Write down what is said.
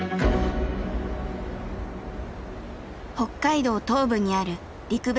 北海道東部にある陸別町。